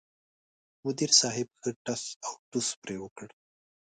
مدیر صاحب ښه ټس اوټوس پرې وکړ.